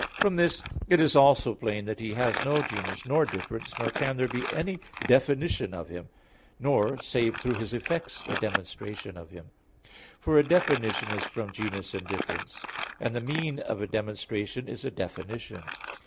From this it is also plain that He has no genus nor difference, nor can there be any definition of Him; nor, save through His effects, a demonstration of Him: for a definition is from genus and difference; and the mean of a demonstration is a definition.